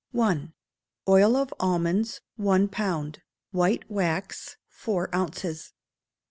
i. Oil of almonds, one pound; white wax, four ounces.